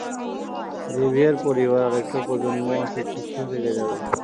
জেভিয়ারের পরিবার আরেকটা প্রজন্ম অশিক্ষিত থেকে যাবে।